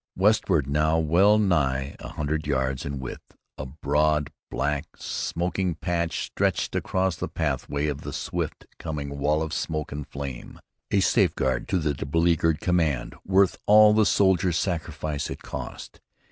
Westward now, well nigh an hundred yards in width, a broad, black, smoking patch stretched across the pathway of the swift coming wall of smoke and flame, a safeguard to the beleaguered command worth all the soldier sacrifice it cost.